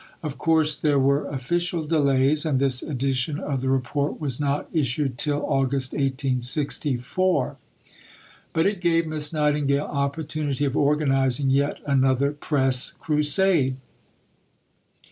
Of course there were official delays, and this edition of the Report was not issued till August 1864, but it gave Miss Nightingale opportunity of organizing yet another press crusade.